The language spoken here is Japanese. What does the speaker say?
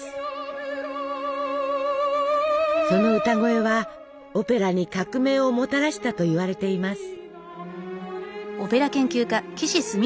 その歌声はオペラに革命をもたらしたといわれています。